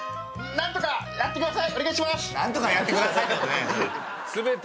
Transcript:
「何とかやってください」って。